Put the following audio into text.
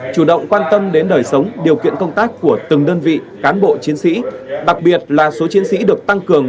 chủ động quan tâm đến đời sống điều kiện công tác của từng đơn vị cán bộ chiến sĩ đặc biệt là số chiến sĩ được tăng cường